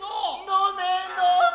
のめのめ。